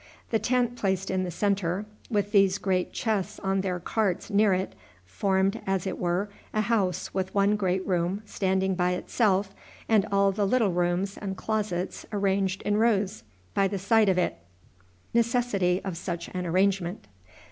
The tent placed in the centre, with these great chests on their carts near it, formed, as it were, a house with one great room standing by itself, and all the little rooms and closets arranged in rows by the side of it.